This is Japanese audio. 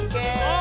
あ！